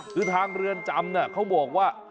คือทางเรือนจำเขาบอกว่า